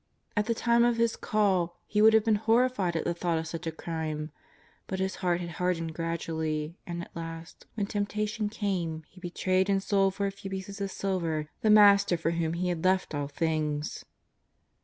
At the time of his call he would have been horrified at the thought of such a crime. But his heart had hardened gradually, and at last, when temptation came, he betrayed and sold for a few pieces of silver the Master for whom he had left all things.